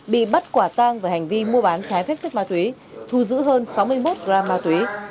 bị bắt quả tang về hành vi mua bán trái phép chất ma túy thu giữ hơn sáu mươi một gram ma túy